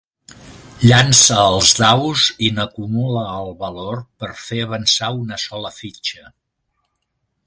Llança els daus i n'acumula el valor per fer avançar una sola fitxa.